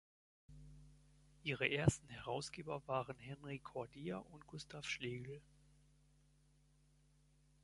Ihre ersten Herausgeber waren Henri Cordier und Gustav Schlegel.